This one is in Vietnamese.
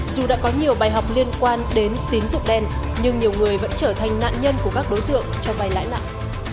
dù đã có nhiều bài học liên quan đến tín dụng đen nhưng nhiều người vẫn trở thành nạn nhân của các đối tượng cho vay lãi nặng